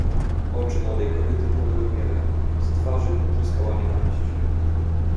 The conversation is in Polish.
"Oczy młodej kobiety płonęły gniewem, z twarzy tryskała nienawiść."